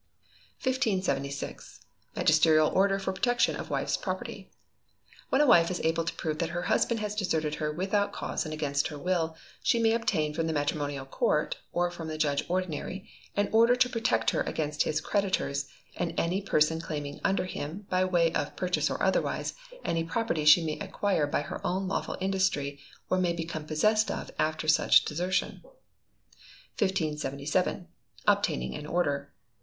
1576. Magisterial Order for Protection of Wife's Property. When a wife is able to prove that her husband has deserted her without cause and against her will, she may obtain from the Matrimonial Court, or from the judge ordinary, an order to protect her against his creditors, and against any person claiming under him, by way of purchase or otherwise, any property she may acquire by her own lawful industry, or may become possessed of after such desertion. 1577. Obtaining an Order.